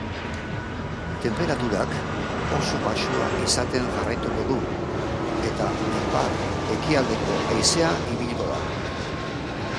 Tenperaturak oso baxua izaten jarraituko du eta ipar-ekialdeko haizea ibiliko da.